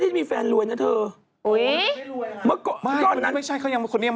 คืออยู่ช่องเดิม